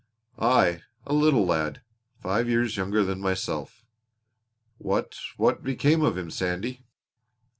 "Aye, a little lad, five years younger than myself." "What what became of him, Sandy?"